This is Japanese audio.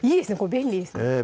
便利です